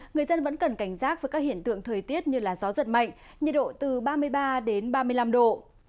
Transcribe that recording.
người dân vẫn cần cảnh giác với các hiện tượng thời tiết như gió giật mạnh nhiệt độ từ ba mươi ba đến ba mươi năm độ